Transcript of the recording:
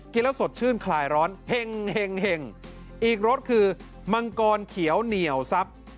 แล้วสดชื่นคลายร้อนเห็งอีกรสคือมังกรเขียวเหนียวซับ